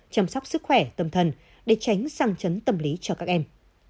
chăm sóc sức khỏe tâm thần để tránh sang chấn tâm lý cho các em